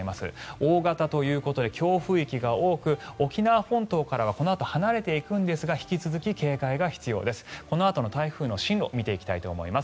大型ということで強風域が多く沖縄本島からはこのあと離れていきますが引き続き警戒が必要です。